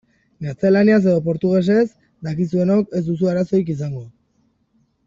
Gaztelaniaz edo portugesez dakizuenok ez duzue arazorik izango.